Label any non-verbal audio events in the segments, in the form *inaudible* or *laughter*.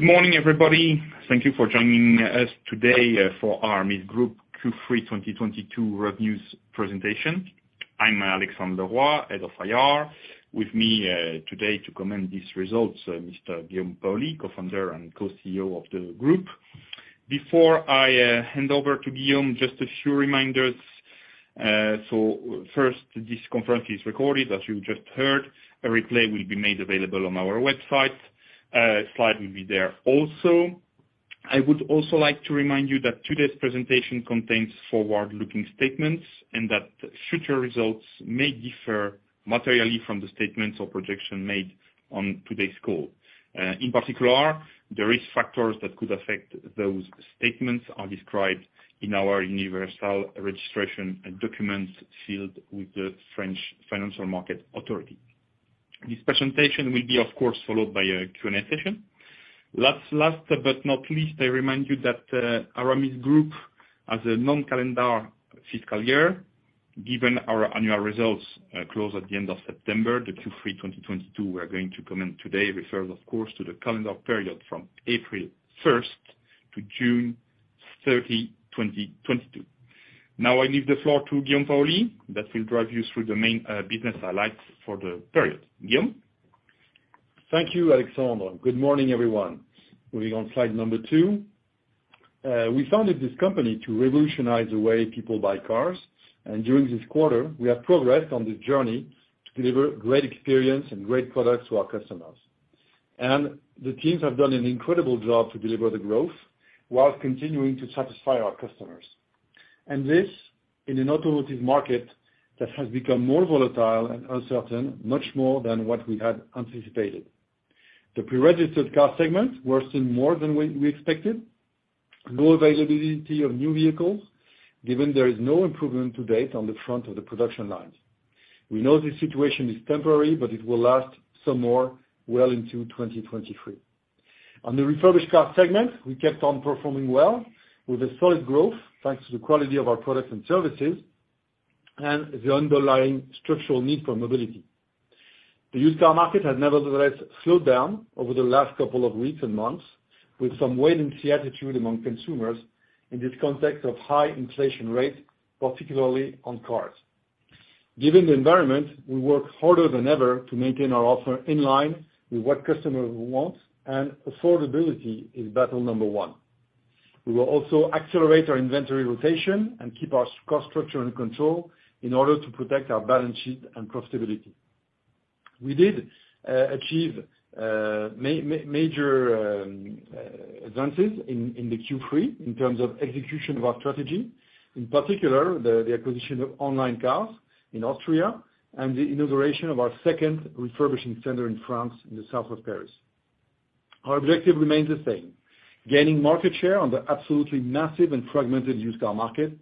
Good morning, everybody. Thank you for joining us today for Aramis Group Q3 2022 revenues presentation. I'm Alexandre Leroy, Head of IR. With me today to comment these results, Mr. Guillaume Paoli, Co-founder and Co-CEO of the group. Before I hand over to Guillaume, just a few reminders. First, this conference is recorded, as you just heard. A replay will be made available on our website. A slide will be there also. I would also like to remind you that today's presentation contains forward-looking statements, and that future results may differ materially from the statements or projection made on today's call. In particular, the risk factors that could affect those statements are described in our universal registration documents filed with the Autorité des Marchés Financiers. This presentation will be, of course, followed by a Q&A session. Last but not least, I remind you that Aramis Group has a non-calendar fiscal year. Given our annual results close at the end of September, the Q3 2022 we're going to comment today refers of course to the calendar period from April 1st to June 30, 2022. Now I leave the floor to Guillaume Paoli that will drive you through the main business highlights for the period. Guillaume? Thank you, Alexandre. Good morning, everyone. Moving on slide number two. We founded this company to revolutionize the way people buy cars, and during this quarter, we have progressed on this journey to deliver great experience and great products to our customers. The teams have done an incredible job to deliver the growth whilst continuing to satisfy our customers, and this in an automotive market that has become more volatile and uncertain, much more than what we had anticipated. The pre-registered car segment worsened more than we expected. Low availability of new vehicles, given there is no improvement to date on the front of the production lines. We know this situation is temporary, but it will last some more well into 2023. On the refurbished car segment, we kept on performing well with a solid growth, thanks to the quality of our products and services and the underlying structural need for mobility. The used car market has nevertheless slowed down over the last couple of weeks and months with some wait-and-see attitude among consumers in this context of high inflation rate, particularly on cars. Given the environment, we work harder than ever to maintain our offer in line with what customers want, and affordability is battle number one. We will also accelerate our inventory rotation and keep our cost structure in control in order to protect our balance sheet and profitability. We did achieve major advances in the Q3 in terms of execution of our strategy. In particular, the acquisition of Onlinecars in Austria and the inauguration of our 2nd refurbishing center in France in the south of Paris. Our objective remains the same, gaining market share on the absolutely massive and fragmented used car market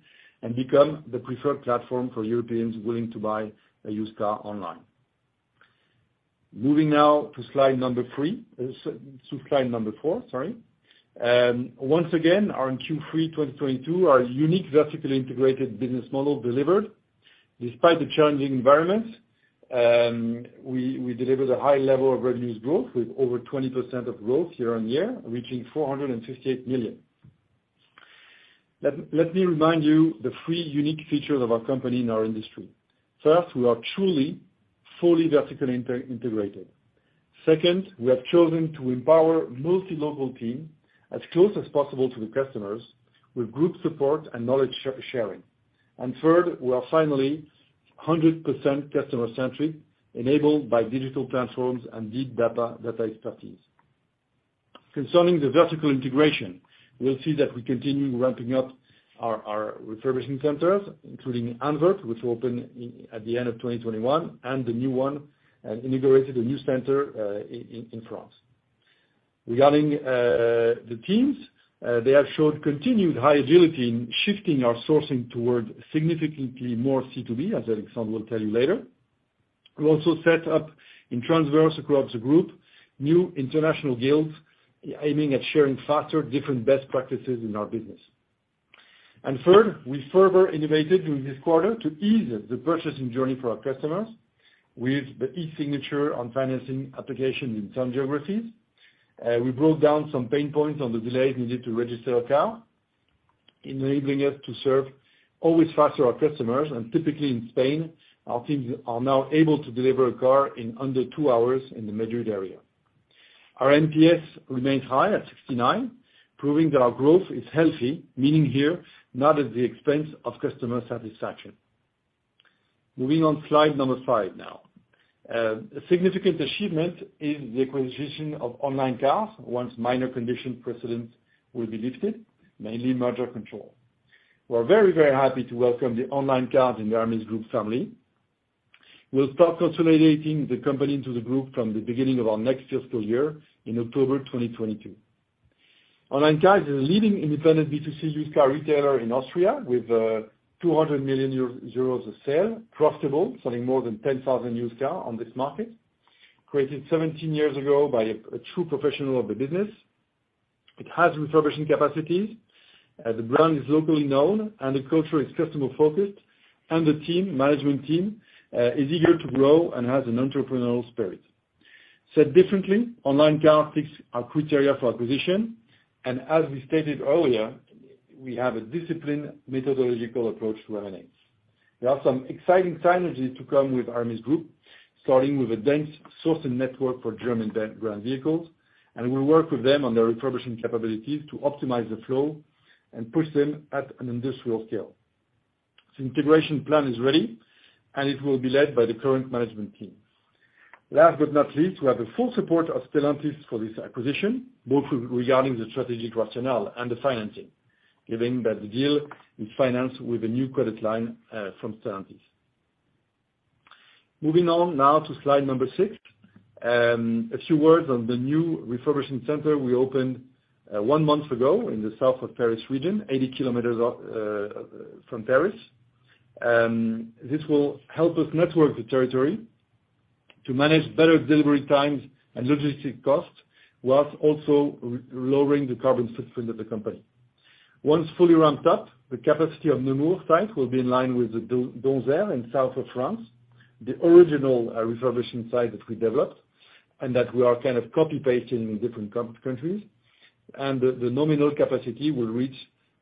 and become the preferred platform for Europeans willing to buy a used car online. Moving now to slide number three to slide number four, sorry. Once again, our Q3 2022, our unique vertically integrated business model delivered. Despite the challenging environment, we delivered a high level of revenues growth with over 20% growth year-on-year, reaching 458 million. Let me remind you the three unique features of our company in our industry. First, we are truly, fully vertically integrated. Second, we have chosen to empower multi-local team as close as possible to the customers with group support and knowledge sharing. Third, we are finally 100% customer-centric, enabled by digital platforms and big data expertise. Concerning the vertical integration, you will see that we continue ramping up our refurbishing centers, including Antwerp, which opened at the end of 2021, and the new one, and inaugurated a new center in France. Regarding the teams, they have showed continued high agility in shifting our sourcing toward significantly more C2B, as Alexandre will tell you later. We also set up transversally across the group new international guilds aiming at sharing faster different best practices in our business. Third, we further innovated during this quarter to ease the purchasing journey for our customers with the e-signature on financing application in some geographies. We broke down some pain points on the delays needed to register a car, enabling us to serve always faster our customers. Typically in Spain, our teams are now able to deliver a car in under two hours in the Madrid area. Our NPS remains high at 69, proving that our growth is healthy, meaning here not at the expense of customer satisfaction. Moving on to slide number five now. A significant achievement is the acquisition of Onlinecars, once minor conditions precedent will be lifted, mainly merger control. We are very, very happy to welcome Onlinecars in the Aramis Group family. We'll start consolidating the company into the group from the beginning of our next fiscal year in October 2022. Onlinecars is a leading independent B2C used car retailer in Austria with 200 million euros of sales, profitable, selling more than 10,000 used cars on this market, created 17 years ago by a true professional of the business. It has refurbishing capacities, the brand is locally known, and the culture is customer-focused, and the management team is eager to grow and has an entrepreneurial spirit. Said differently, Onlinecars characteristics are criteria for acquisition, and as we stated earlier, we have a disciplined methodological approach to M&As. There are some exciting synergies to come with Aramis Group, starting with a dense sourcing network for German vehicle brand vehicles, and we work with them on their refurbishing capabilities to optimize the flow and push them at an industrial scale. Integration plan is ready, and it will be led by the current management team. Last but not least, we have the full support of Stellantis for this acquisition, both with regarding the strategic rationale and the financing, given that the deal is financed with a new credit line from Stellantis. Moving on now to slide number six. A few words on the new refurbishing center we opened one month ago in the south of Paris region, 80 km from Paris. This will help us network the territory to manage better delivery times and logistic costs, while also re-lowering the carbon footprint of the company. Once fully ramped up, the capacity of Nemours site will be in line with the Donzère in south of France, the original refurbishing site that we developed and that we are kind of copy-pasting in different countries. The nominal capacity will reach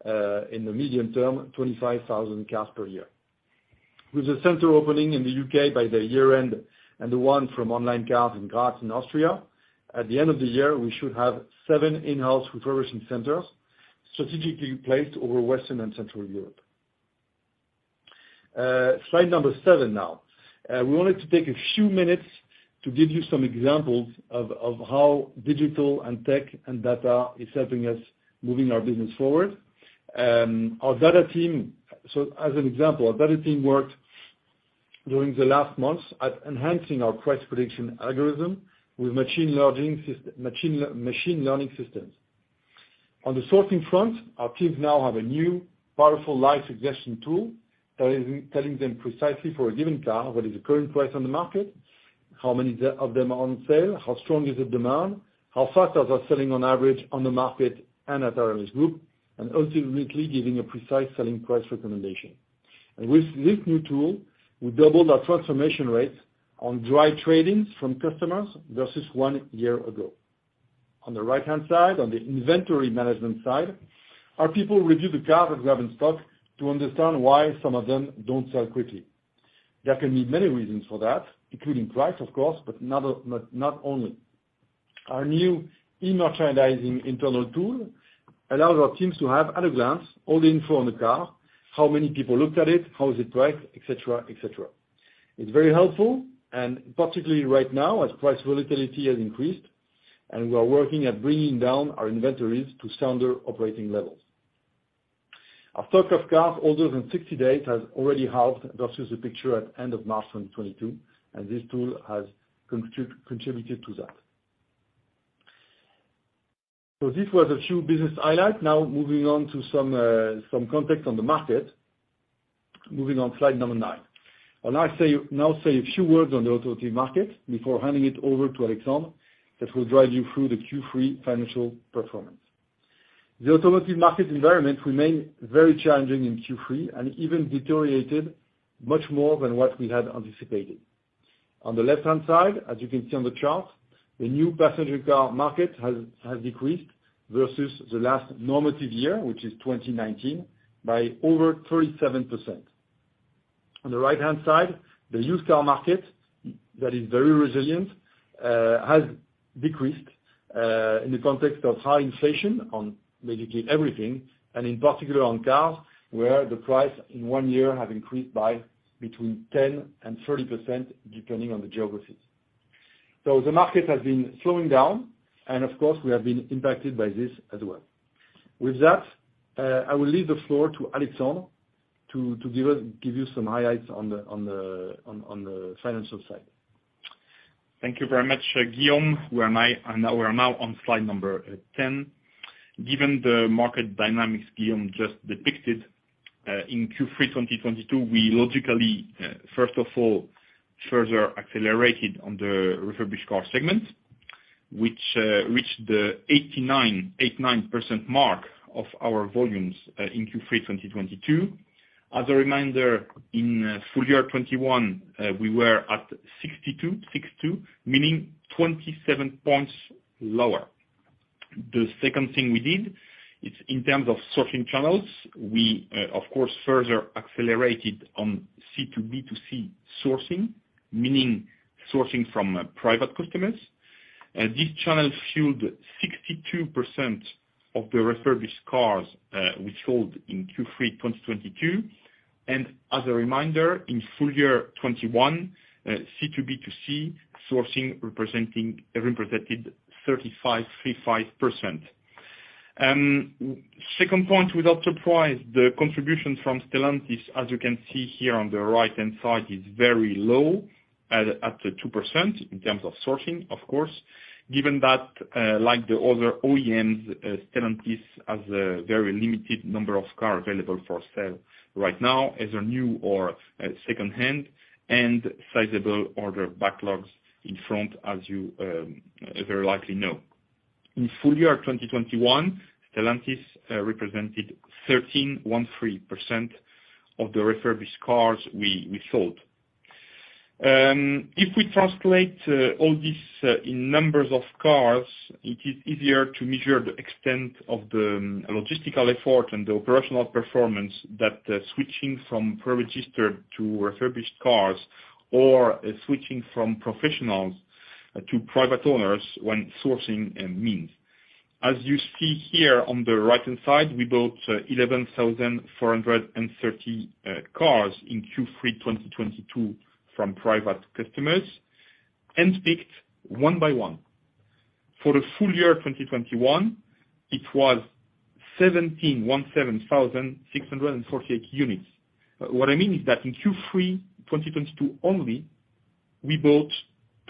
in the medium term 25,000 cars per year. With the center opening in the U.K. by the year end, and the one from Onlinecars in Graz in Austria, at the end of the year, we should have seven in-house refurbishing centers strategically placed over Western and Central Europe. We wanted to take a few minutes to give you some examples of how digital and tech and data is helping us moving our business forward. As an example, our data team worked during the last months at enhancing our price prediction algorithm with machine learning systems. On the sourcing front, our teams now have a new powerful live suggestion tool telling them precisely for a given car, what is the current price on the market, how many of them are on sale, how strong is the demand, how fast are they selling on average on the market and at Aramis Group, and ultimately giving a precise selling price recommendation. With this new tool, we doubled our transformation rate on dry trade-ins from customers versus one year ago. On the right-hand side, on the inventory management side, our people review the cars that we have in stock to understand why some of them don't sell quickly. There can be many reasons for that, including price, of course, but not only. Our new e-merchandising internal tool allows our teams to have, at a glance, all the info on the car, how many people looked at it, how is it priced, et cetera, et cetera. It's very helpful, and particularly right now, as price volatility has increased, and we are working at bringing down our inventories to sounder operating levels. Our stock of cars older than 60 days has already halved versus the picture at end of March 2022, and this tool has contributed to that. This was a few business highlights. Now moving on to some context on the market. Moving on slide number nine. I'll now say a few words on the automotive market before handing it over to Alexandre, that will drive you through the Q3 financial performance. The automotive market environment remained very challenging in Q3, and even deteriorated much more than what we had anticipated. On the left-hand side, as you can see on the chart, the new passenger car market has decreased versus the last normal year, which is 2019, by over 37%. On the right-hand side, the used car market, that is very resilient, has decreased in the context of high inflation on basically everything, and in particular on cars, where the price in one year have increased by between 10% and 30%, depending on the geographies. The market has been slowing down, and of course, we have been impacted by this as well. With that, I will leave the floor to Alexandre to give you some highlights on the financial side. Thank you very much, Guillaume. We are now on slide number 10. Given the market dynamics Guillaume just depicted in Q3 2022, we logically 1st of all further accelerated on the refurbished car segment, which reached the 89% mark of our volumes in Q3 2022. As a reminder, in full year 2021, we were at 62%, meaning 27 points lower. The 2nd thing we did is in terms of sourcing channels. We of course further accelerated on C2B2C sourcing, meaning sourcing from private customers. This channel fueled 62% of the refurbished cars we sold in Q3 2022, and as a reminder, in full year 2021, C2B2C sourcing represented 35%. Second point without surprise, the contribution from Stellantis, as you can see here on the right-hand side, is very low at two percent in terms of sourcing, of course. Given that, like the other OEMs, Stellantis has a very limited number of cars available for sale right now, either new or 2nd-hand, and sizable order backlogs in front, as you likely know. In full year 2021, Stellantis represented 13% of the refurbished cars we sold. If we translate all this in numbers of cars, it is easier to measure the extent of the logistical effort and the operational performance that switching from pre-registered to refurbished cars, or switching from professionals to private owners when sourcing, means. As you see here on the right-hand side, we bought 11,400 cars in Q3 2022 from private customers, hand-picked one by one. For the full year 2021, it was 17,648 units. What I mean is that in Q3 2022 only, we bought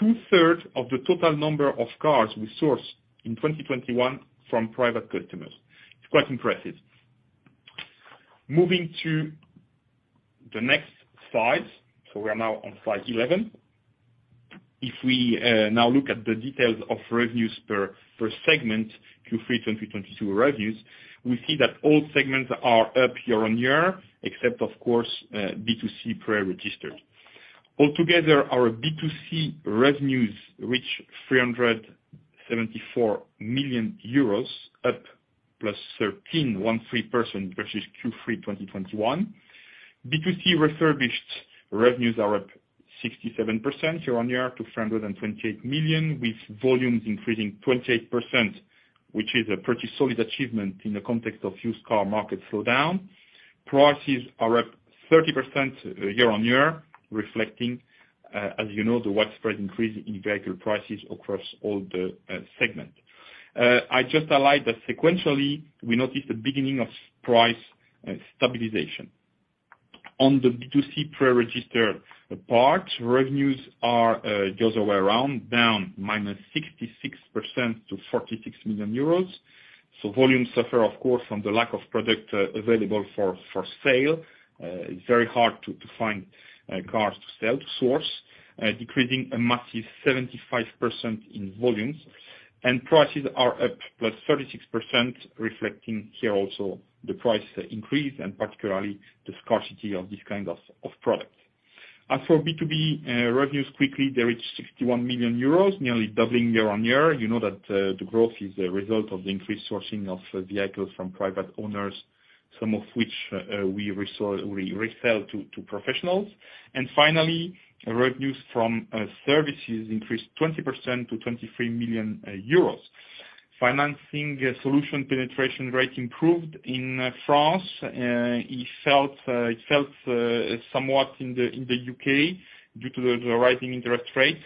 2/3 of the total number of cars we sourced in 2021 from private customers. It's quite impressive. Moving to the next slide, we are now on slide 11. If we now look at the details of revenues per segment, Q3 2022 revenues, we see that all segments are up year-on-year, except of course, B2C pre-registered. Altogether, our B2C revenues reach EUR 374 million, up +13% versus Q3 2021. B2C refurbished revenues are up 67% year-on-year to 228 million, with volumes increasing 28%, which is a pretty solid achievement in the context of used car market slowdown. Prices are up 30% year-on-year, reflecting, as you know, the widespread increase in vehicle prices across all the segments. I just highlight that sequentially, we noticed the beginning of price stabilization. On the B2C pre-register part, revenues are the other way around, down -66% to 46 million euros. Volumes suffer of course from the lack of product available for sale. It's very hard to find cars to sell, to source. Decreasing a massive 75% in volumes. Prices are up +36%, reflecting here also the price increase and particularly the scarcity of this kind of product. As for B2B, revenues quickly, they reached 61 million euros, nearly doubling year-on-year. You know that, the growth is a result of the increased sourcing of vehicles from private owners, some of which we resell to professionals. Finally, revenues from services increased 20% to 23 million euros. Financing solution penetration rate improved in France. It fell somewhat in the U.K. due to the rising interest rate.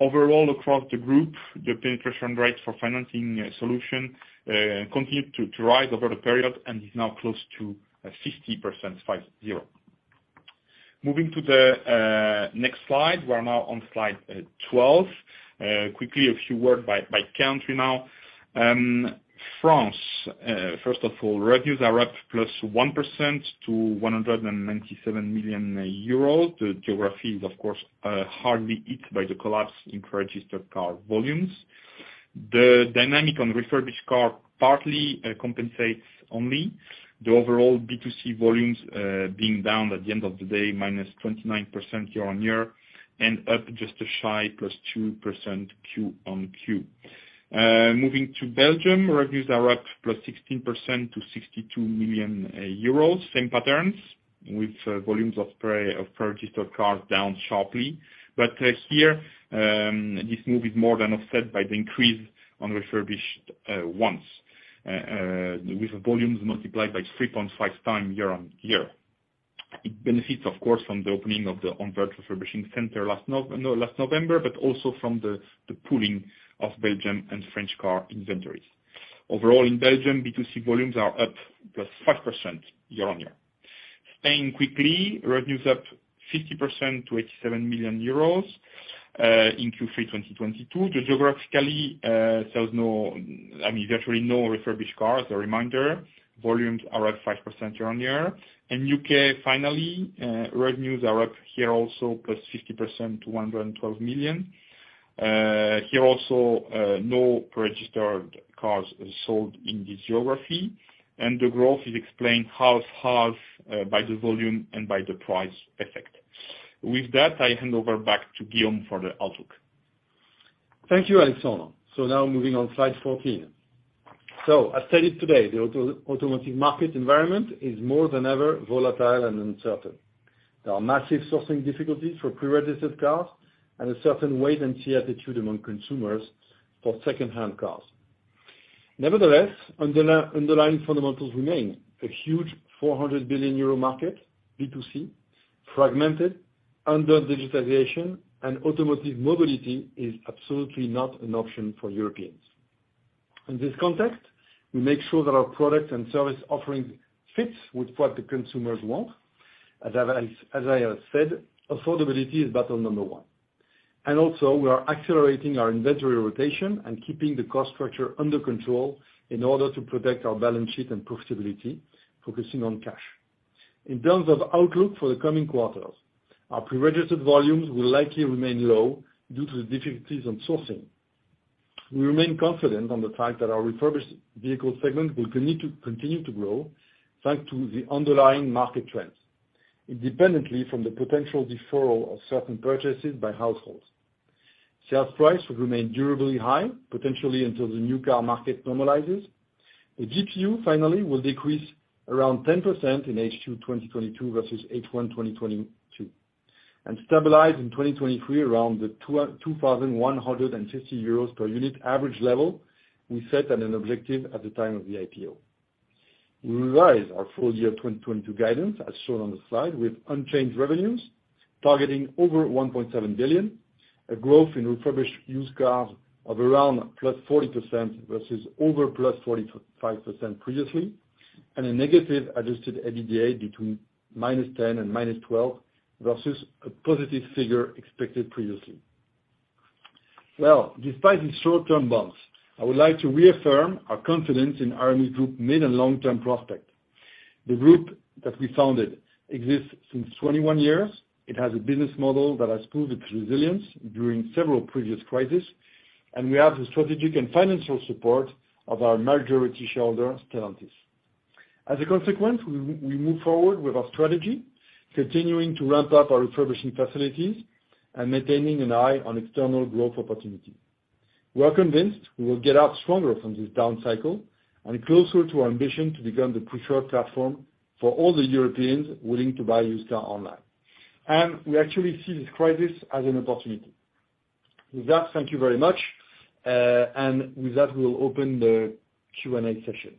Overall across the group, the penetration rate for financing solution continued to rise over the period and is now close to 50%. Moving to the next slide. We are now on slide 12. Quickly, a few words by country now. France, 1st of all, revenues are up +1% to 197 million euros. The geography is of course hardly hit by the collapse in pre-registered car volumes. The dynamic on refurbished car partly compensates only the overall B2C volumes being down at the end of the day -29% year-over-year, and up just a shy +2% QoQ. Moving to Belgium, revenues are up +16% to 62 million euros. Same patterns with volumes of pre-registered cars down sharply. Here, this move is more than offset by the increase on refurbished ones with volumes multiplied by 3.5x year-over-year. It benefits of course from the opening of the Antwerp Refurbishing Center last November, but also from the pooling of Belgium and French car inventories. Overall in Belgium, B2C volumes are up +5% year-on-year. Staying quickly, revenues up 50% to 87 million euros in Q3 2022. The Netherlands sells virtually no refurbished cars or remainder. Volumes are up 5% year-on-year. U.K. finally, revenues are up here also +50% to 112 million. Here also, no pre-registered cars sold in this geography. The growth is explained half-half by the volume and by the price effect. With that, I hand over back to Guillaume for the outlook. Thank you, Alexandre. Now moving on, slide 14. As stated today, the automotive market environment is more than ever volatile and uncertain. There are massive sourcing difficulties for pre-registered cars, and a certain wait and see attitude among consumers for 2nd-hand cars. Nevertheless, underlying fundamentals remain a huge 400 billion euro market, B2C, fragmented under digitization, and automotive mobility is absolutely not an option for Europeans. In this context, we make sure that our product and service offering fits with what the consumers want. As I have said, affordability is battle number one. We are accelerating our inventory rotation and keeping the cost structure under control in order to protect our balance sheet and profitability, focusing on cash. In terms of outlook for the coming quarters, our pre-registered volumes will likely remain low due to the difficulties in sourcing. We remain confident on the fact that our refurbished vehicle segment will continue to grow, thanks to the underlying market trends, independently from the potential deferral of certain purchases by households. Sales price will remain durably high, potentially until the new car market normalizes. The GPU finally will decrease around 10% in H2 2022 versus H1 2022, and stabilize in 2023 around the 2,150 euros per unit average level we set at an objective at the time of the IPO. We revise our full-year 2022 guidance, as shown on the slide, with unchanged revenues targeting over 1.7 billion, a growth in refurbished used cars of around +40% versus over +45% previously, and a negative adjusted EBITDA between -10 million and -12 million versus a positive figure expected previously. Well, despite the short-term bumps, I would like to reaffirm our confidence in Aramis Group mid and long-term prospect. The group that we founded exists since 21 years. It has a business model that has proved its resilience during several previous crises, and we have the strategic and financial support of our majority shareholder, Stellantis. As a consequence, we move forward with our strategy, continuing to ramp up our refurbishing facilities and maintaining an eye on external growth opportunity. We are convinced we will get out stronger from this down cycle and closer to our ambition to become the preferred platform for all the Europeans willing to buy used car online. We actually see this crisis as an opportunity. With that, thank you very much. With that, we will open the Q&A session.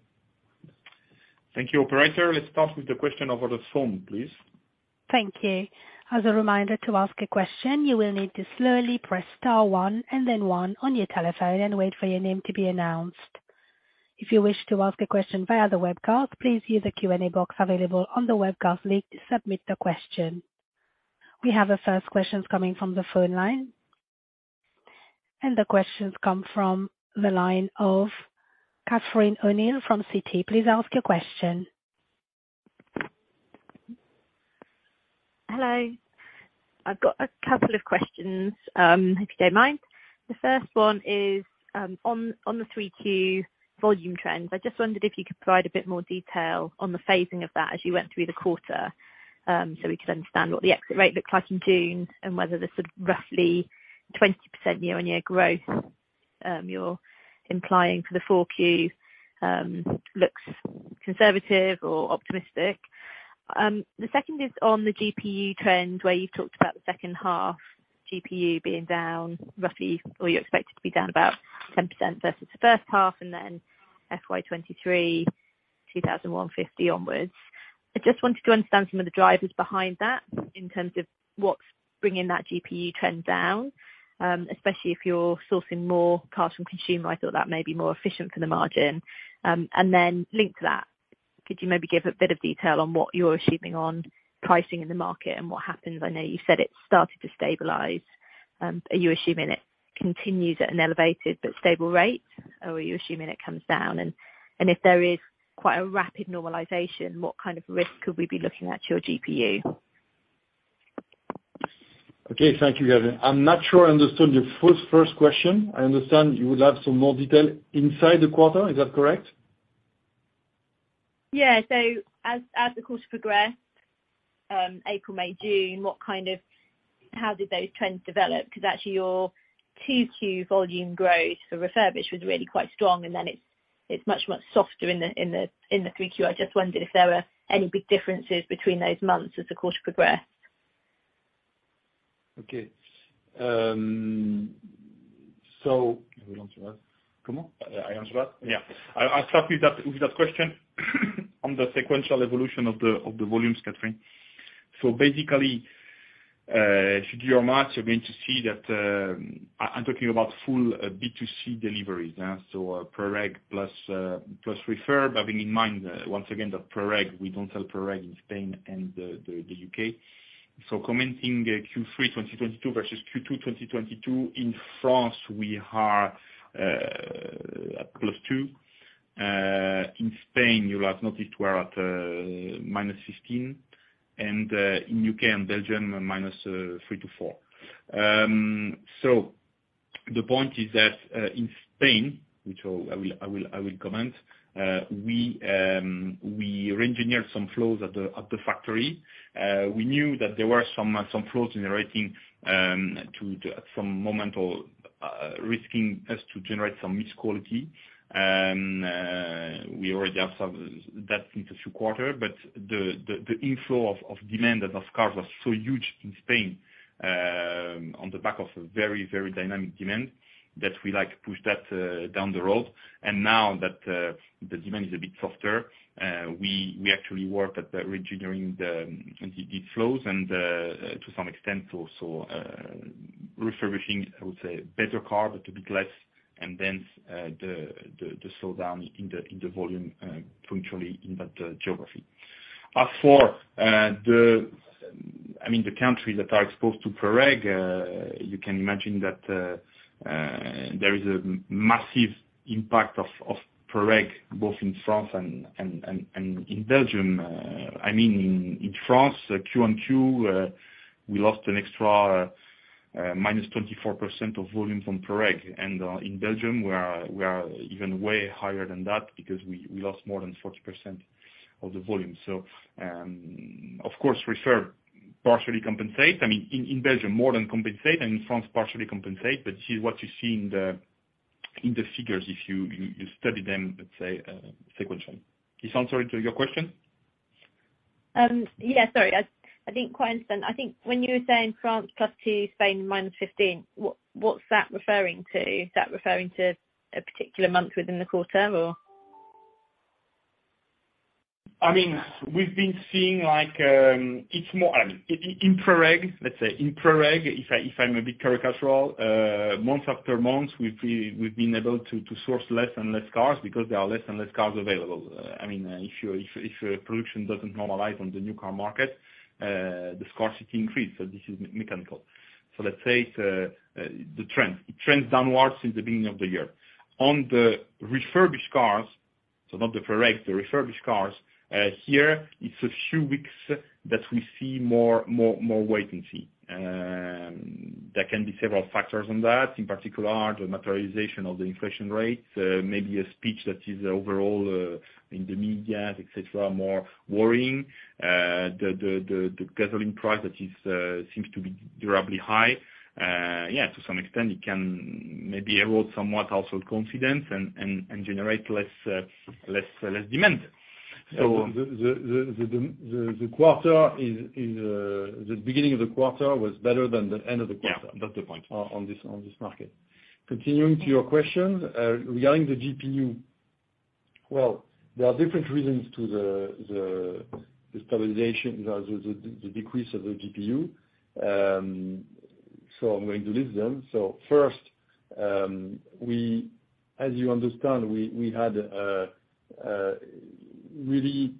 Thank you, operator. Let's start with the question over the phone, please. Thank you. As a reminder, to ask a question, you will need to slowly press star one and then one on your telephone and wait for your name to be announced. If you wish to ask a question via the webcast, please use the Q&A box available on the webcast link to submit the question. We have the 1st questions coming from the phone line. The questions come from the line of Catherine O'Neill from Citi. Please ask your question. Hello. I've got a couple of questions, if you don't mind. The 1st one is on the 3Q volume trends. I just wondered if you could provide a bit more detail on the phasing of that as you went through the quarter, so we could understand what the exit rate looked like in June, and whether the sort of roughly 20% year-on-year growth you're implying for the Q4 looks conservative or optimistic. The 2nd is on the GPU trend, where you talked about the 2nd half GPU being down roughly, or you expect it to be down about 10% versus the 1st half and then FY 2023, 2050 onwards. I just wanted to understand some of the drivers behind that in terms of what's bringing that GPU trend down, especially if you're sourcing more cars from consumer. I thought that may be more efficient for the margin. And then linked to that, could you maybe give a bit of detail on what you're assuming on pricing in the market and what happens? I know you said it's started to stabilize. Are you assuming it continues at an elevated but stable rate, or are you assuming it comes down? If there is quite a rapid normalization, what kind of risk could we be looking at to your GPU? Okay. Thank you, Catherine. I'm not sure I understood your 1st question. I understand you would like some more detail inside the quarter. Is that correct? Yeah. As the quarter progressed, April, May, June, how did those trends develop? 'Cause actually, your 2Q volume growth for refurbished was really quite strong, and then it's much softer in the 3Q. I just wondered if there were any big differences between those months as the quarter progressed. Okay. You want to answer that? Come on? I answer that? Yeah. I'll start with that question on the sequential evolution of the volumes, Catherine. Basically, if you do your math, you're going to see that, I'm talking about full B2C deliveries, so pre-reg plus refurb, having in mind once again the pre-reg. We don't sell pre-reg in Spain and the U.K. Commenting Q3 2022 versus Q2 2022, in France, we are at +2%. In Spain, you'll have noticed we're at -15%. In U.K. and Belgium, -3% to -4%. The point is that in Spain, which I will comment, we reengineered some flows at the factory. We knew that there were some flows generating to at some moment or risking us to generate some mixed quality. We already have some of that in the quarter. The inflow of demand and of cars was so huge in Spain on the back of a very dynamic demand that we had to push that down the road. Now that the demand is a bit softer, we actually work at reengineering the flows and to some extent also refurbishing, I would say, better car but a bit less, and hence the slowdown in the volume specifically in that geography. As for the countries that are exposed to pre-reg, you can imagine that there is a massive impact of pre-reg, both in France and in Belgium. I mean, in France, Q1 and Q2, we lost an extra -24% of volume from pre-reg. In Belgium, we are even way higher than that because we lost more than 40% of the volume. Of course, reserves partially compensate. I mean, in Belgium, more than compensate, and in France, partially compensate. This is what you see in the figures if you study them, let's say, sequentially. Does this answer your question? Yeah, sorry. I didn't quite understand. I think when you were saying France +2%, Spain -15%, what's that referring to? Is that referring to a particular month within the quarter, or? I mean, we've been seeing like, it's more. In pre-reg, let's say in pre-reg, if I'm a bit caricatural, month after month, we've been able to source less and less cars because there are less and less cars available. I mean, if your production doesn't normalize on the new car market, the scarcity increase. This is mechanical. Let's say the trend. It trends downwards since the beginning of the year. On the refurbished cars, so not the pre-reg, the refurbished cars, here, it's a few weeks that we see more wait and see. There can be several factors on that, in particular, the materialization of the inflation rates, maybe a speech that is overall in the media, et cetera, more worrying. The gasoline price seems to be durably high. Yeah, to some extent, it can maybe erode somewhat household confidence and generate less demand. So the beginning of the quarter was better than the end of the quarter. Yeah, that's the point on this market. Continuing to your question, regarding the GPU. Well, there are different reasons to the stabilization, the decrease of the GPU. I'm going to list them. First, as you understand, we had really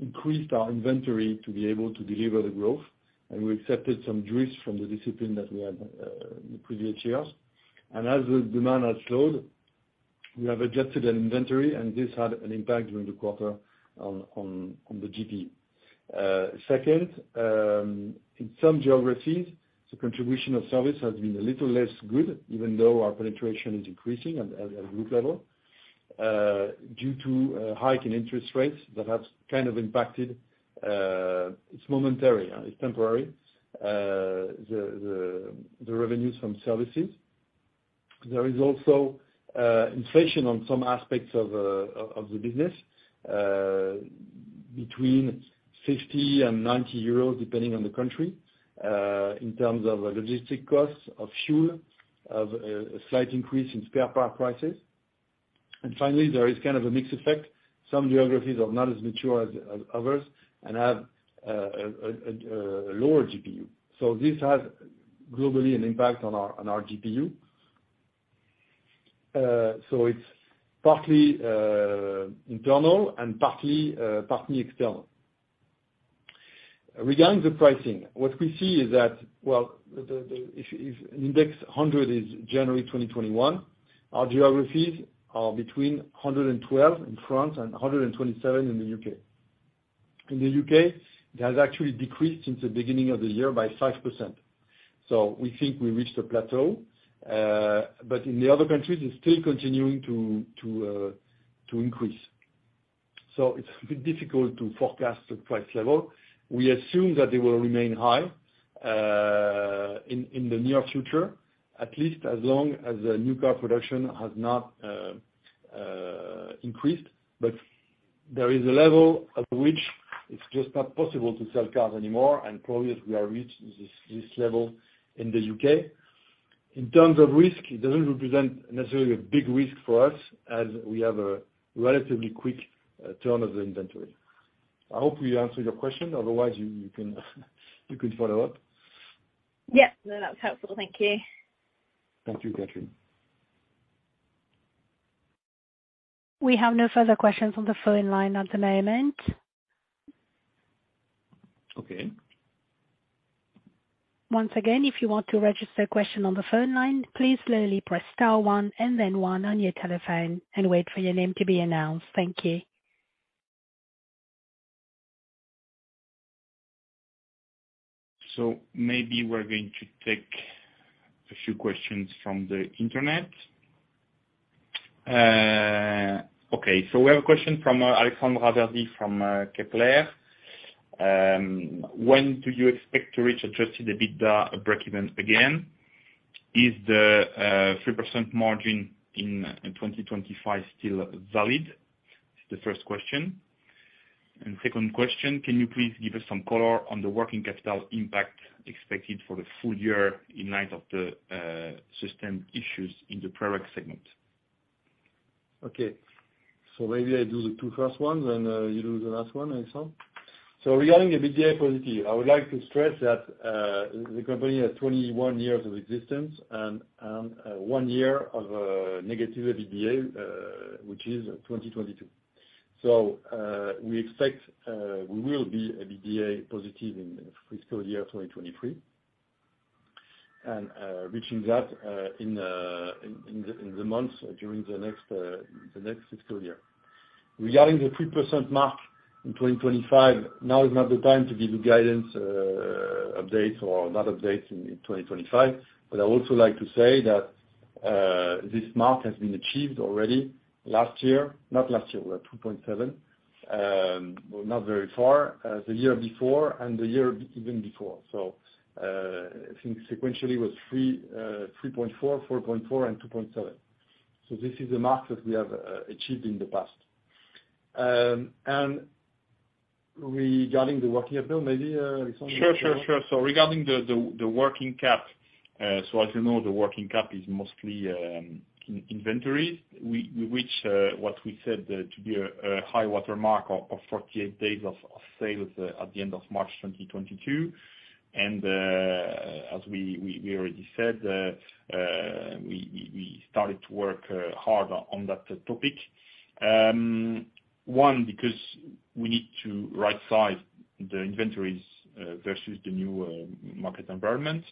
increased our inventory to be able to deliver the growth, and we accepted some risk from the discipline that we had in previous years. As the demand has slowed, we have adjusted our inventory, and this had an impact during the quarter on the GPU. Second, in some geographies, the contribution of services has been a little less good even though our penetration is increasing at group level, due to a hike in interest rates that has kind of impacted. It's momentary, it's temporary, the revenues from services. There is also inflation on some aspects of the business, between 60 and 90 euros depending on the country, in terms of logistics costs of fuel, of a slight increase in spare parts prices. Finally, there is kind of a mixed effect. Some geographies are not as mature as others and have a lower GPU. So this has globally an impact on our GPU. So it's partly internal and partly external. Regarding the pricing, what we see is that if index 100 is January 2021, our geographies are between 112 in France and 127 in the U.K. In the U.K., it has actually decreased since the beginning of the year by 5%. We think we reached a plateau, but in the other countries, it's still continuing to increase. It's difficult to forecast the price level. We assume that they will remain high in the near future, at least as long as the new car production has not increased. There is a level at which it's just not possible to sell cars anymore, and probably we have reached this level in the U.K. In terms of risk, it doesn't represent necessarily a big risk for us, as we have a relatively quick turn of the inventory. I hope we answered your question. Otherwise, you can follow up. Yeah. No, that's helpful. Thank you. Thank you, Catherine. We have no further questions on the phone line at the moment. Okay. Once again, if you want to register a question on the phone line, please slowly press star one and then one on your telephone and wait for your name to be announced. Thank you. Maybe we're going to take a few questions from the internet. Okay. We have a question from Alexandre from Kepler. When do you expect to reach adjusted EBITDA breakeven again? Is the 3% margin in 2025 still valid? It's the 1st question. Second question, can you please give us some color on the working capital impact expected for the full year in light of the system issues in the proc segment? Okay. Maybe I do the two 1st ones, and you do the last one, Alexandre. Regarding EBITDA positive, I would like to stress that the company has 21 years of existence and one year of negative EBITDA, which is 2022. We expect we will be EBITDA positive in fiscal year 2023. Reaching that in the months during the next fiscal year. Regarding the 3% mark in 2025, now is not the time to give you guidance, updates or not updates in 2025. I would also like to say that this mark has been achieved already last year. Not last year, we were at 2.7%. We're not very far the year before and the year even before. I think sequentially it was 3%, 3.4%, 4.4% and 2.7%. This is a mark that we have achieved in the past. Regarding the working capital, maybe Alexandre- Regarding the working cap, as you know, the working cap is mostly in inventories. We reached what we said to be a high water mark of 48 days of sales at the end of March 2022. As we already said, we started to work hard on that topic. One, because we need to right size the inventories versus the new market environment.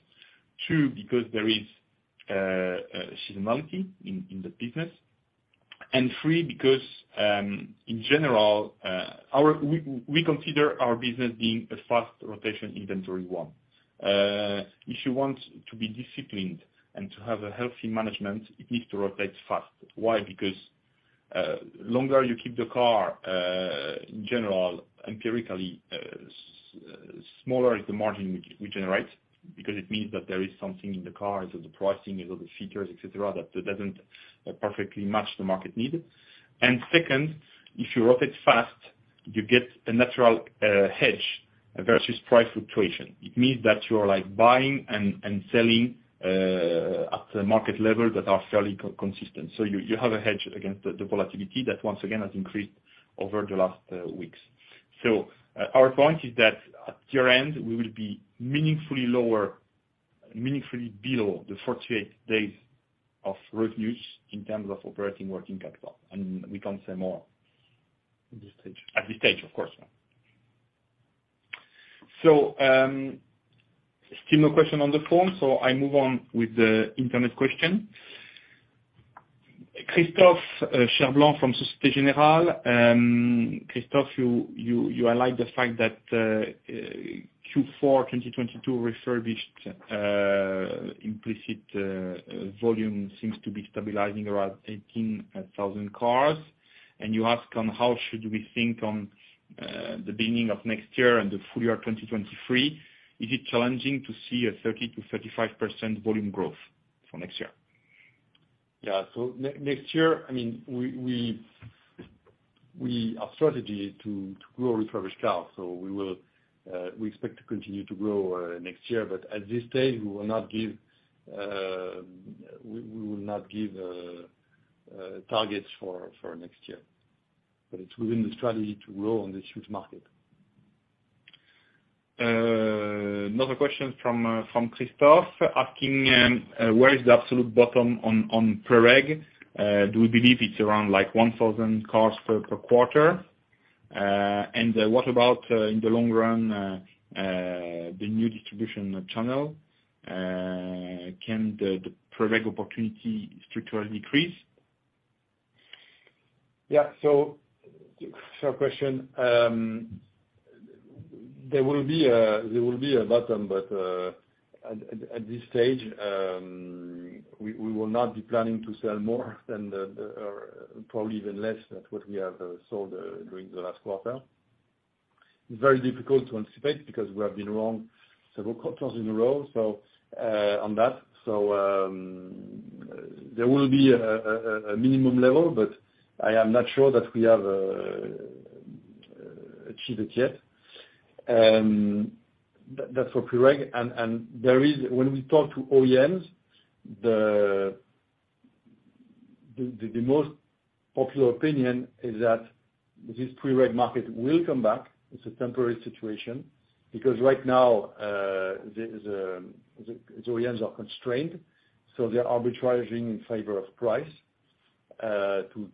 Two, because there is seasonality in the business. Three, because in general, we consider our business being a fast rotation inventory one. If you want to be disciplined and to have a healthy management, it needs to rotate fast. Why? Because longer you keep the car, in general, empirically, smaller is the margin we generate. Because it means that there is something in the car, is it the pricing, is it the features, et cetera, that doesn't perfectly match the market need. Second, if you rotate fast, you get a natural hedge versus price fluctuation. It means that you are, like, buying and selling at a market level that are fairly consistent. You have a hedge against the volatility that once again has increased over the last weeks. Our point is that at year-end, we will be meaningfully lower, meaningfully below the 48 days of revenues in terms of operating working capital. We can't say more. At this stage. At this stage, of course. Still no question on the phone, so I move on with the internet question. Christophe Cherblanc from Société Générale. Christophe, you highlight the fact that Q4 2022 refurbished implicit volume seems to be stabilizing around 18,000 cars. You ask how we should think about the beginning of next year and the full year 2023. Is it challenging to see a 30%-35% volume growth for next year? Yeah. Next year, I mean, our strategy is to grow refurbished cars, so we expect to continue to grow next year. At this stage, we will not give targets for next year. It's within the strategy to grow on this huge market. Another question from Christophe, asking where is the absolute bottom on pre-reg? Do we believe it's around like 1,000 cars per quarter? In the long run, the new distribution channel? Can the pre-reg opportunity structurally decrease? There will be a bottom, but at this stage, we will not be planning to sell more than, or probably even less than what we have sold during the last quarter. It's very difficult to anticipate because we have been wrong several quarters in a row, so on that. There will be a minimum level, but I am not sure that we have achieved it yet. That's for pre-reg. When we talk to OEMs, the most popular opinion is that this pre-reg market will come back. It's a temporary situation. Because right now, the OEMs are constrained, so they are arbitraging in favor of price to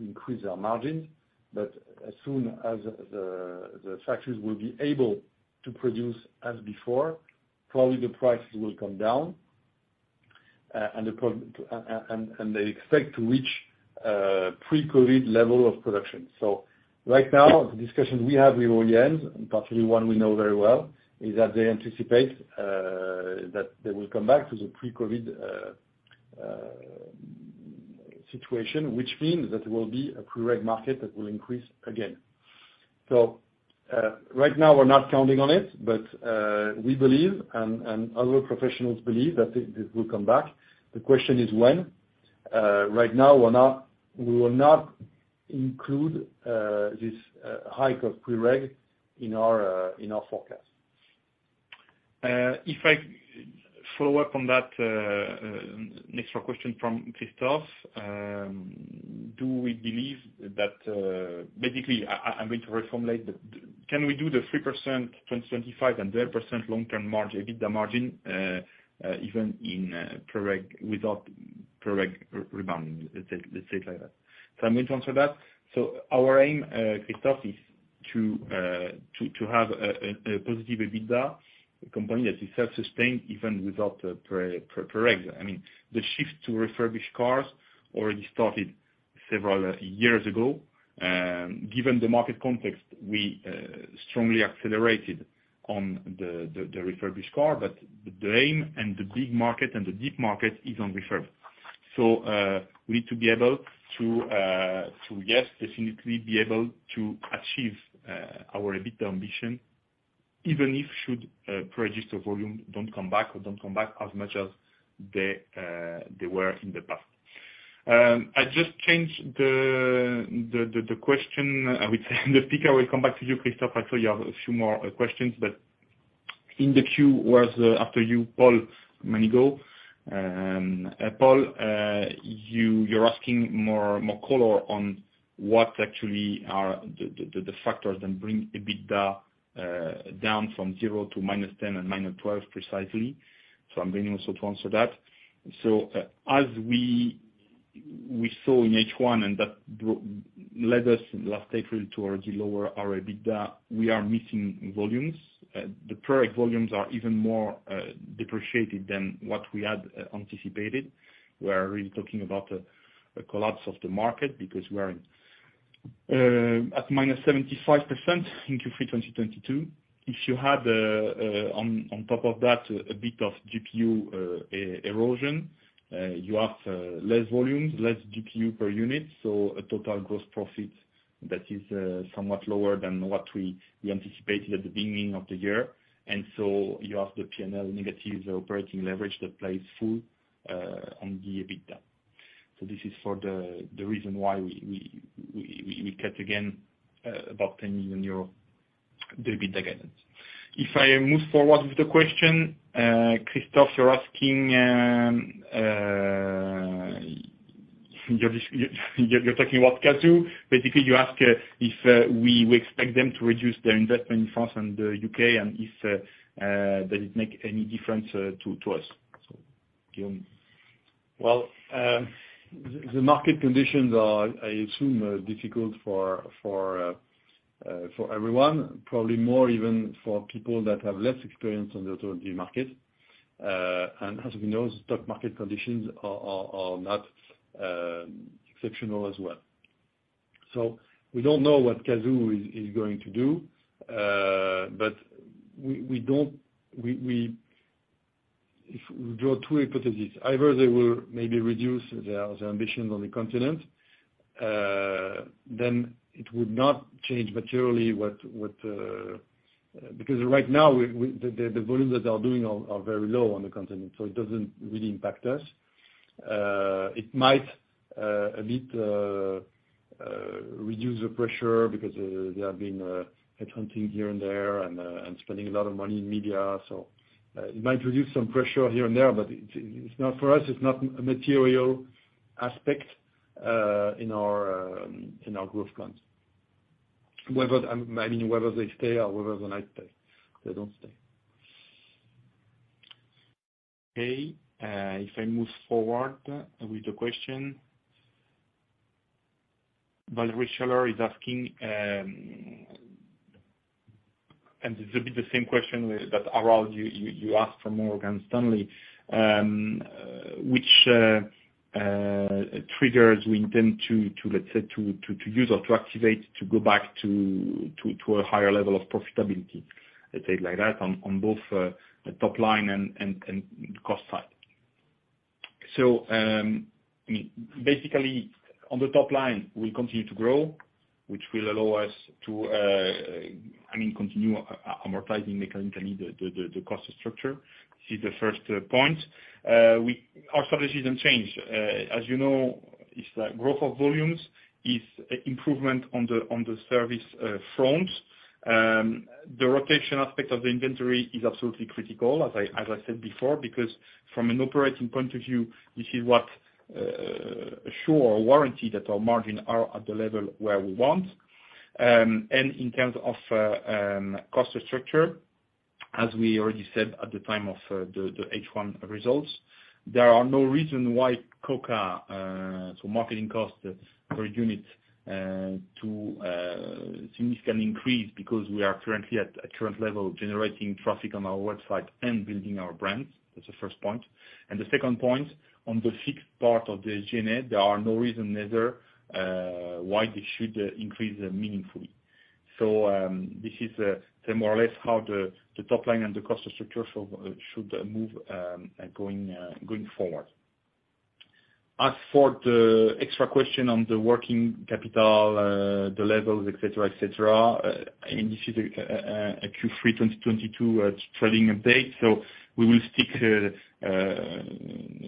increase their margins. As soon as the factories will be able to produce as before, probably the prices will come down. They expect to reach pre-COVID level of production. Right now, the discussion we have with OEMs, and particularly one we know very well, is that they anticipate that they will come back to the pre-COVID situation, which means that there will be a pre-reg market that will increase again. Right now we're not counting on it, but we believe and other professionals believe that it, this will come back. The question is when. Right now we will not include this hike of pre-reg in our forecast. If I follow up on that, next question from Christophe. Basically, I'm going to reformulate. Can we do the 3% 2025 and 10% long term margin, EBITDA margin, even in pre-reg without pre-reg rebounding? Let's say it like that. I'm going to answer that. Our aim, Christophe, is to have a positive EBITDA company that is self-sustained even without the pre-reg. I mean, the shift to refurbished cars already started several years ago. Given the market context, we strongly accelerated on the refurbished car, but the aim and the big market and the deep market is on refurb. We need to be able to achieve our EBITDA ambition, even if pre-reg volume don't come back or don't come back as much as they were in the past. I just changed the question. The speaker will come back to you, Christophe. I saw you have a few more questions, but in the queue was after you, Paul. Paul, you are asking more color on what actually are the factors that bring EBITDA down from 0 to -10 and -12 precisely. I'm going also to answer that. As we saw in H1 and that brought us last April to lower our EBITDA, we are missing volumes. The pre-reg volumes are even more depressed than what we had anticipated. We are really talking about a collapse of the market because we are at -75% in Q3 2022. If you had on top of that a bit of GPU erosion, you have less volumes, less GPU per unit. A total gross profit that is somewhat lower than what we anticipated at the beginning of the year. You have the P&L negative operating leverage that plays fully on the EBITDA. This is the reason why we cut again about 10 million euro the EBITDA guidance. If I move forward with the question, Christophe, you're asking, you're talking about Cazoo. Basically, you ask if we expect them to reduce their investment in France and the U.K., and if does it make any difference to us. Guillaume. The market conditions are, I assume, difficult for everyone, probably more even for people that have less experience on the automobile market. As we know, stock market conditions are not exceptional as well. We don't know what Cazoo is going to do. If we draw two hypotheses, either they will maybe reduce their ambitions on the continent, then it would not change materially what. Because right now, the volume that they are doing are very low on the continent, so it doesn't really impact us. It might a bit reduce the pressure because they have been headhunting here and there and spending a lot of money in media. It might reduce some pressure here and there, but it's not, for us, it's not a material aspect in our growth plans. I mean, whether they stay or whether they don't stay. Okay. If I move forward with the question, Valérie Scheller is asking, and this will be the same question that Edouard Aubin, you asked from Morgan Stanley, which triggers we intend to use or to activate to go back to a higher level of profitability, let's say it like that, on both top line and cost side. I mean, basically, on the top line, we continue to grow, which will allow us to, I mean, continue amortizing mechanically the cost structure. This is the 1st point. Our strategy didn't change. As you know, it's the growth of volumes, is improvement on the service front. The rotation aspect of the inventory is absolutely critical, as I said before, because from an operating point of view, this is what assures or warrants that our margins are at the level where we want. In terms of cost structure, as we already said at the time of the H1 results, there is no reason why COCA, so marketing cost per unit, to significantly increase because we are currently at a level generating traffic on our website and building our brands. That's the 1st point. The 2nd point, on the fixed part of the G&A, there is no reason either why this should increase meaningfully. This is, say, more or less how the top line and the cost structure should move going forward. As for the extra question on the working capital, the levels, et cetera, et cetera, and this is a Q3 2022 trading update. We will stick,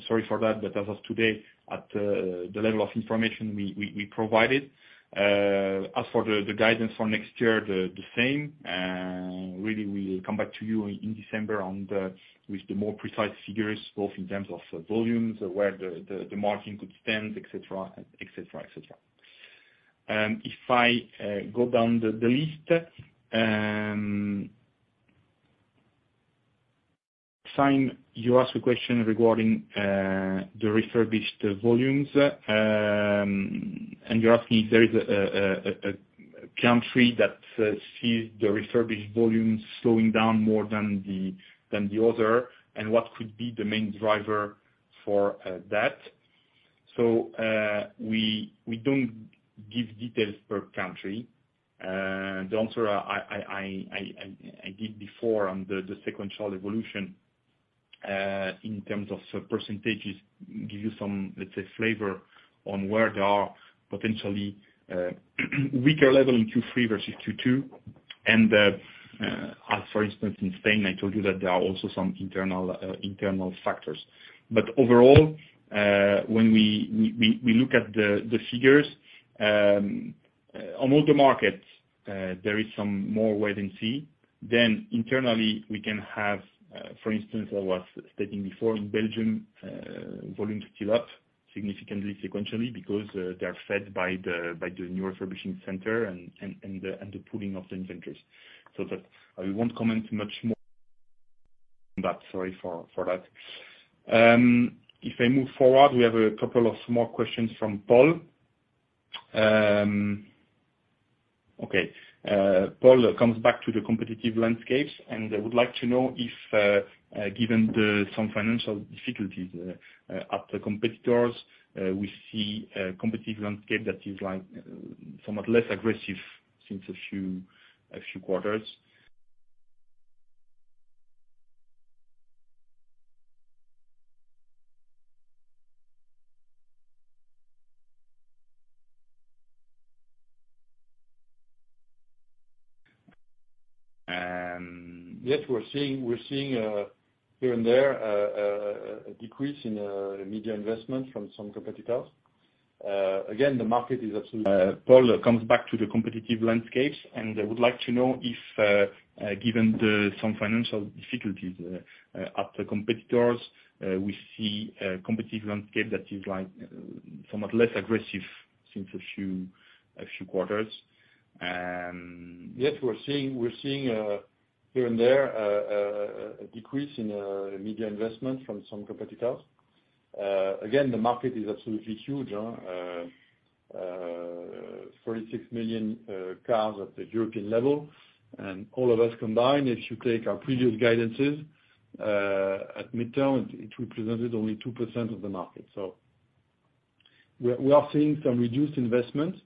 sorry for that, but as of today, at the level of information we provided. As for the guidance for next year, the same. Really, we come back to you in December on the with the more precise figures, both in terms of volumes, where the margin could stand, et cetera, et cetera, et cetera. If I go down the list. You asked a question regarding the refurbished volumes, and you're asking if there is a country that sees the refurbished volumes slowing down more than the other, and what could be the main driver for that. We don't give details per country. The answer I did before on the sequential evolution in terms of percentages give you some, let's say, flavor on where there are potentially weaker level in Q3 versus Q2. For instance, in Spain, I told you that there are also some internal factors. Overall, when we look at the figures on all the markets, there is some more wait and see. Internally, we can have, for instance, I was stating before, in Belgium, volume is still up significantly, sequentially, because they are fed by the new refurbishing center and the pooling of the inventories. I won't comment much more on that. Sorry for that. If I move forward, we have a couple of small questions from Paul. Paul comes back to the competitive landscape, and would like to know if, given some financial difficulties at the competitors, we see a competitive landscape that is, like, somewhat less aggressive since a few quarters. Yes, we're seeing here and there a decrease in media investment from some competitors. Again, the market is absolutely. Paul comes back to the competitive landscape, and would like to know if, given some financial difficulties at the competitors, we see a competitive landscape that is, like, somewhat less aggressive since a few quarters. Yes, we're seeing here and there a decrease in media investment from some competitors. Again, the market is absolutely huge, 46 million cars at the European level, and all of us combined, if you take our previous guidances, at mid-term, it represented only 2% of the market. We are seeing some reduced investment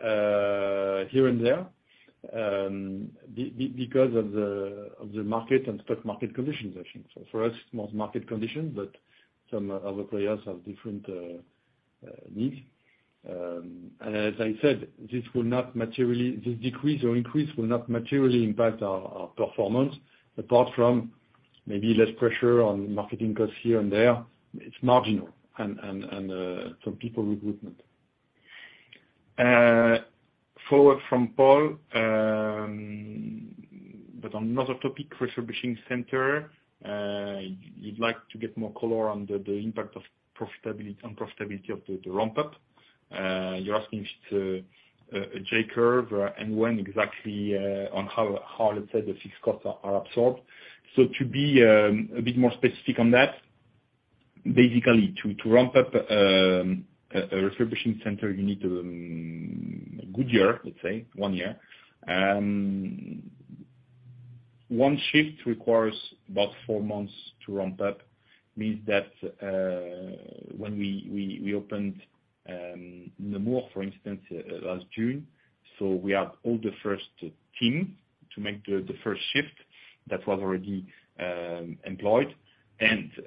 here and there because of the market and current market conditions, I think. For us, most market conditions, but some other players have different needs. As I said, this decrease or increase will not materially impact our performance, apart from maybe less pressure on marketing costs here and there. It's marginal, and some people recruitment. Follow-up from Paul, but on another topic, refurbishing center. He'd like to get more color on the impact of profitability on profitability of the ramp up. You're asking if it's a J curve and when exactly on how, let's say, the fixed costs are absorbed. To be a bit more specific on that, basically, to ramp up a refurbishing center, you need a good year, let's say, one year. One shift requires about four months to ramp up. Means that when we opened Nemours, for instance, last June, so we had all the 1st team to make the 1st shift that was already employed.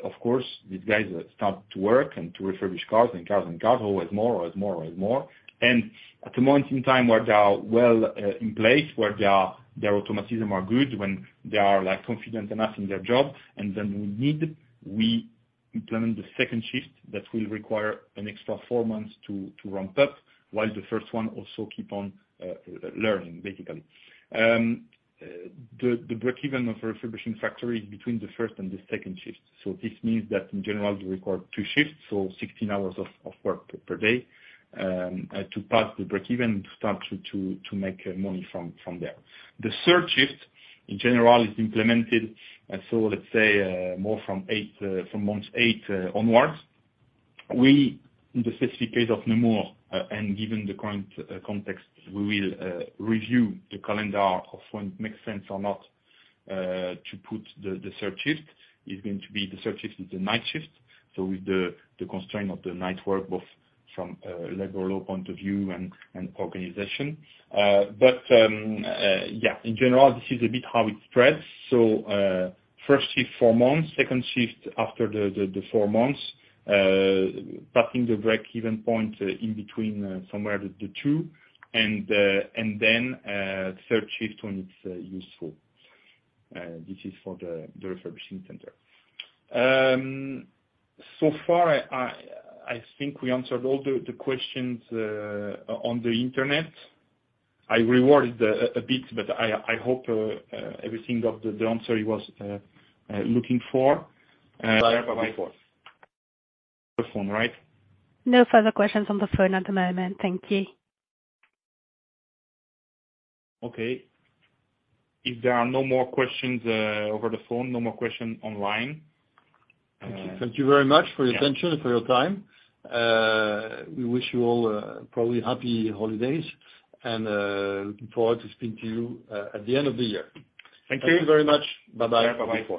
Of course, these guys start to work and to refurbish cars, always more. At a certain time where they are well in place, where their automatism are good, when they are, like, confident enough in their job, then we need, we implement the 2nd shift that will require an extra four months to ramp up, while the 1st one also keep on learning, basically. The breakeven of refurbishing factory is between the 1st and the 2nd shift. This means that in general, you require two shifts, 16 hours of work per day to pass the breakeven, to start to make money from there. The 3rd shift, in general, is implemented, so let's say, more from month eight onwards. In the specific case of Nemours, and given the current context, we will review the calendar of when it makes sense or not to put the 3rd shift. It's going to be the 3rd shift, the night shift. With the constraint of the night work, both from a labor law point of view and organization. In general, this is a bit how it spreads. First shift, four months. Second shift, after the four months. Hitting the breakeven point in between, somewhere between the two. Then, 3rd shift when it's useful. This is for the refurbishing center. So far I think we answered all the questions on the internet. I reworded a bit, but I hope everything of the answer he was looking for.. *crosstalk* The phone, right? No further questions on the phone at the moment. Thank you. Okay. If there are no more questions over the phone, no more questions online. Thank you. Thank you very much for your attention and for your time. We wish you all probably happy holidays and looking forward to speak to you at the end of the year. Thank you. Thank you very much. Bye-bye. Yeah, bye-bye.